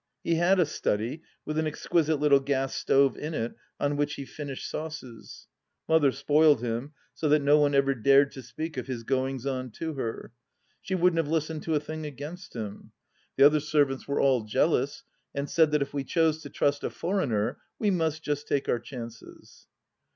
He had a study, with an ex quisite little gas stove in it on which he " finished " sauces. Mother spoiled him, so that no one ever dared to speak of his goings on to her. She wouldn't have listened to a thing against him. The other servants were all jealous, and said that if we chose to trust a foreigner we must just take our chances.